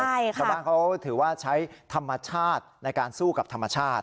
ชาวบ้านเขาถือว่าใช้ธรรมชาติในการสู้กับธรรมชาติ